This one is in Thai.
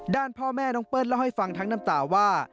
ด้านพ่อแม่น้องเปิ้ลเล่าให้ฟังทั้งน้ำตาว่า